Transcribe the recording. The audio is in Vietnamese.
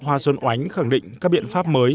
hoa xuân oánh khẳng định các biện pháp mới